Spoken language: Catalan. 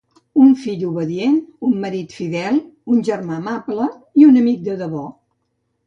Un fill obedient, un marit fidel, un germà amable i un amic de debò.